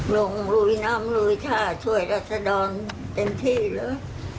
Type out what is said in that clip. ลุยน้ำลุยท่าช่วยรัศดรเต็มที่เลย